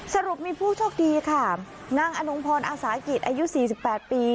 สรุปมีผู้โชคดีค่ะนางอนงพรอาสากิจอายุ๔๘ปี